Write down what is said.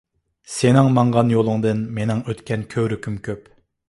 سېنىڭ ماڭغان يولۇڭدىن، مېنىڭ ئۆتكەن كۆۋرۈكۈم كۆپ.